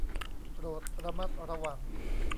โปรดระมัดระวัง